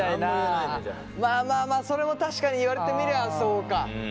まあまあまあそれも確かに言われてみりゃそうか。